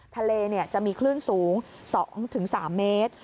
ทะเลจะมีคลื่นสูง๒๓เมตร